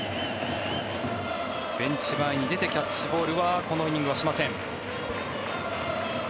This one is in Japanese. ベンチ前に出てキャッチボールはこのイニングはしません。